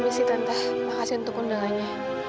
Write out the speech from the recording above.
ma permisi tante makasih untuk undangannya